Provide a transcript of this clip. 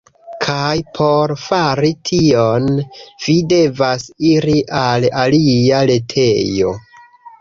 Kaj por fari tion, vi devas iri al alia retejo.